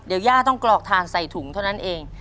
เดี๋ยวย่าต้องกรอกทานใส่ถุงเท่านั้นเอง